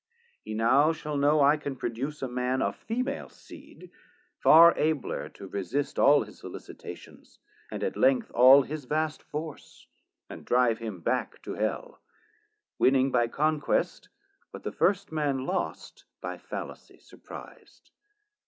He now shall know I can produce a man 150 Of female Seed, far abler to resist All his sollicitations, and at length All his vast force, and drive him back to Hell, Winning by Conquest what the first man lost By fallacy surpriz'd.